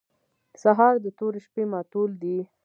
سهار د تورې شپې ماتول دي.